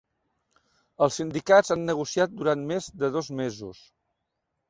Els sindicats han negociat durant més de dos mesos.